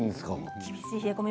厳しい冷え込み。